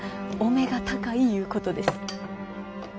お目が高いいうことです。